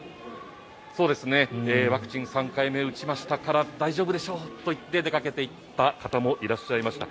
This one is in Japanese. ワクチン３回目を打ちましたから大丈夫でしょうと言って出かけていった方もいらっしゃいました。